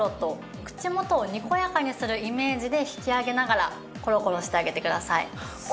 口元をにこやかにするイメージで引き上げながらコロコロしてあげてください。